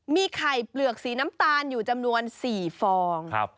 มีไข่เปลือกสีน้ำตาลอยู่จำนวน๔ฟอง